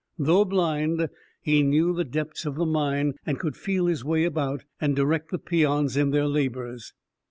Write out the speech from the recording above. Though blind, he knew the depths of the mine and could feel his way about, and direct the peons in their labors.